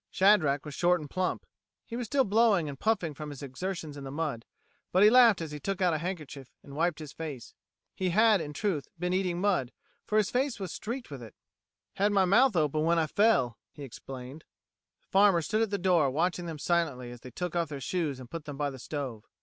Shadrack was short and plump. He was still blowing and puffing from his exertions in the mud, but he laughed as he took out a handkerchief and wiped his face. He had, in truth, been eating mud, for his face was streaked with it. "Had my mouth open when I fell," he explained. The farmer stood at the door, watching them silently as they took off their shoes and put them by the stove.